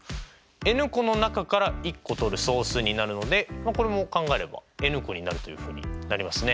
ｎ個の中から１個とる総数になるのでこれも考えればｎ個になるというふうになりますね。